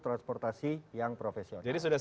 transportasi yang profesional jadi sudah